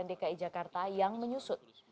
yang diperoleh oleh pemprov dki jakarta yang menyusut